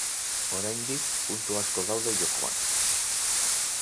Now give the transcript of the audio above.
Oraindik puntu asko daude jokoan.